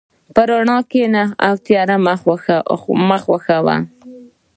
په رڼا کښېنه، تیاره مه خوښه وه.